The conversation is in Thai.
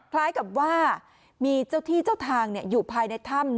คล้ายกับว่ามีเจ้าที่เจ้าทางอยู่ภายในถ้ำ